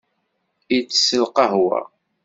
Itess lqahwa.